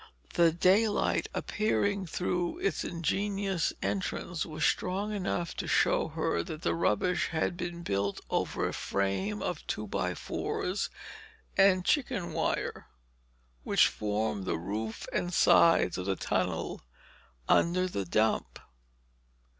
The daylight appearing through its ingenious entrance was strong enough to show her that the rubbish had been built over a frame of two by fours and chickenwire, which formed the roof and sides of the tunnel under the dump.